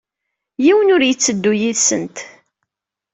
Yiwen ur yetteddu yid-sent.